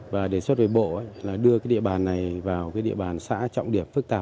và đề xuất về bộ là đưa cái địa bàn này vào cái địa bàn xã trọng điểm phức tạp